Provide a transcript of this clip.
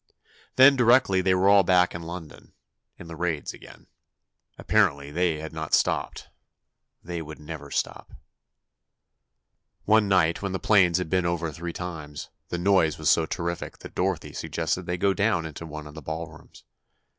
Then directly they were all back in London, in the raids again. Apparently they had not stopped ... they would never stop. One night when the planes had been over three times, the noise was so terrific that Dorothy suggested they go down into one of the ballrooms.